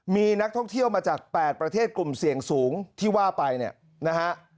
มีนักท่องเที่ยวมาจาก๘ประเทศกลุ่มเสี่ยงสูงที่ว่าไปเนี่ยนะฮะ